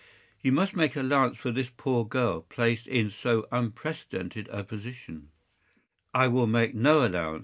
“You must make allowance for this poor girl, placed in so unprecedented a position.” “I will make no allowance.